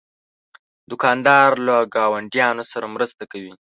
دوکاندار له ګاونډیانو سره مرسته کوي.